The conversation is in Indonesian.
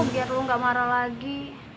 biar lu gak marah lagi